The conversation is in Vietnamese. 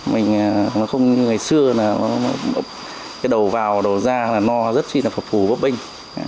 mình nó không như ngày xưa là cái đầu vào đầu ra là no rất chi là phật phủ phật binh